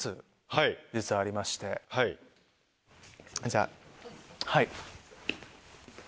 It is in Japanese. じゃあはい。